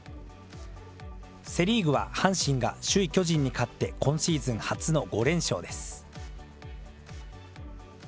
セ・リーグは阪神が首位巨人に勝って、今シーズン初の５連勝です。